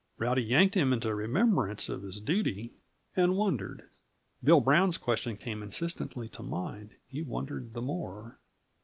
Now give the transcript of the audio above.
Rowdy yanked him into remembrance of his duty, and wondered. Bill Brown's question came insistently to mind; he wondered the more.